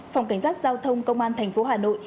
phòng cảnh sát giao thông công an thành phố hà nội